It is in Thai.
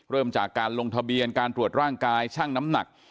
เริ่มจากการลงทะเบียนการตรวจร่างกายช่างน้ำหนัก